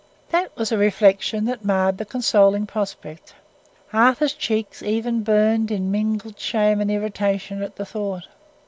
That was a reflection that marred the consoling prospect. Arthur's cheeks even burned in mingled shame and irritation at the thought.